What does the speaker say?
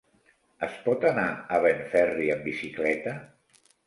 Es pot anar a Benferri amb bicicleta?